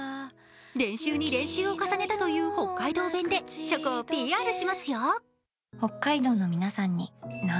練習に練習を重ねたという北海道弁でチョコをＰＲしますよ。